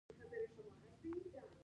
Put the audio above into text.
هغوی د علم ستر اهمیت نه منلو.